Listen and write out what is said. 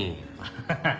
ハハハ。